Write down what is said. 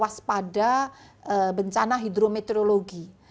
tidak terlepas pada bencana hidrometeorologi